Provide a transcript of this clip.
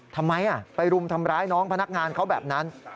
ทำไมไปรุมทำร้ายน้องพนักงานเขาแบบนั้น